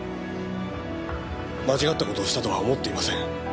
間違った事をしたとは思っていません。